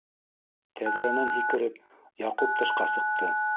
Тәҙрәнән һикереп, Яҡуп тышҡа сыҡты.